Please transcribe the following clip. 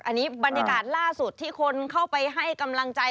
อันนี้บรรยากาศล่าสุดที่คนเข้าไปให้กำลังใจ